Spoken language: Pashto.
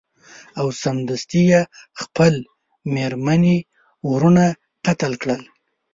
او سمدستي یې خپل میرني وروڼه قتل کړل.